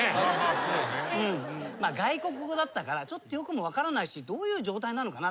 外国語だったからちょっとよく分からないしどういう状態なのかな？